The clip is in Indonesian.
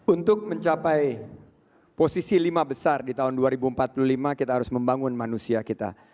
untuk mencapai posisi lima besar di tahun dua ribu empat puluh lima kita harus membangun manusia kita